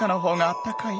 あったかい！